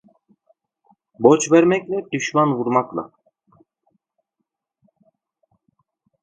Borç vermekle, düşman vurmakla.